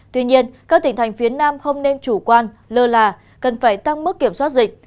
tuy nhiên các tỉnh thành phía nam không nên chủ quan lơ là cần phải tăng mức kiểm soát dịch